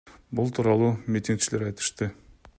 Бул тууралуу митигчилер айтышты.